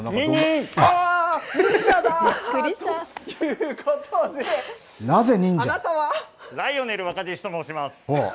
あ、忍者だということでライオネル若獅子と申します。